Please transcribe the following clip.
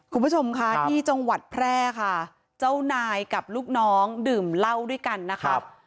คุณผู้ชมค่ะที่จังหวัดแพร่ค่ะเจ้านายกับลูกน้องดื่มเหล้าด้วยกันนะคะ